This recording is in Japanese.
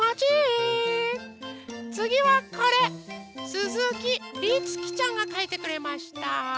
すずきりつきちゃんがかいてくれました。